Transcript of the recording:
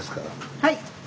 はい。